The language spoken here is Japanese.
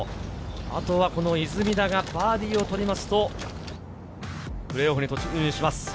あとはこの出水田がバーディーを取るとプレーオフに突入します。